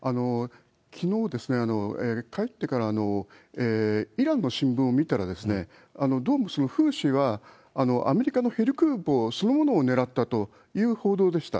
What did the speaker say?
きのう、帰ってからイランの新聞を見たら、どうもそのフーシは、アメリカのヘリ空母そのものを狙ったという報道でした。